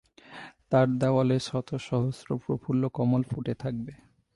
তার দেওয়ালে শত সহস্র প্রফুল্ল কমল ফুটে থাকবে।